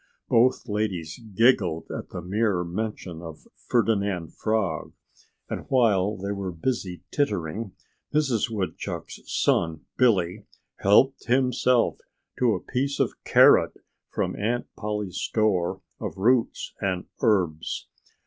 Both ladies giggled at the mere mention of Ferdinand Frog. And while they were busy tittering, Mrs. Woodchuck's son Billy helped himself to a piece of carrot from Aunt Polly's store of roots and herbs.